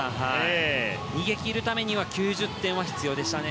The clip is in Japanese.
逃げ切るためには９０点は必要でしたね。